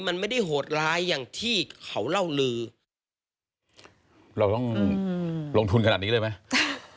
มันไม่ได้โหดร้ายอย่างที่เขาเล่าลือเราต้องลงทุนขนาดนี้เลยไหมจ้ะ